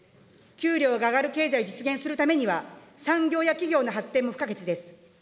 給料が上がる経済を実現するためには、産業や企業の発展も不可欠です。